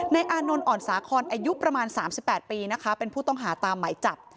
อานนท์อ่อนสาคอนอายุประมาณ๓๘ปีนะคะเป็นผู้ต้องหาตามหมายจับ